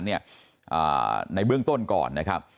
ในเบื้องต้นก่อน